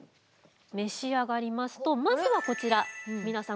召し上がりますとまずはこちら皆さん